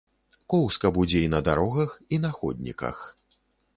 Коўзка будзе і на дарогах, і на ходніках.